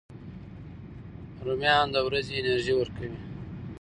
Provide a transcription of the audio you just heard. رومیان د ورځې انرژي ورکوي